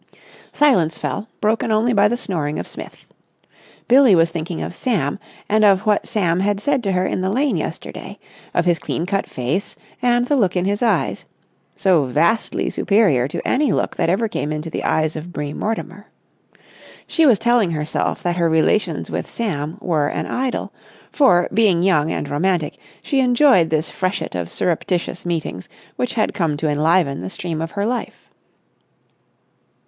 Silence fell, broken only by the snoring of Smith. Billie was thinking of Sam, and of what Sam had said to her in the lane yesterday; of his clean cut face, and the look in his eyes—so vastly superior to any look that ever came into the eyes of Bream Mortimer. She was telling herself that her relations with Sam were an idyll; for, being young and romantic, she enjoyed this freshet of surreptitious meetings which had come to enliven the stream of her life.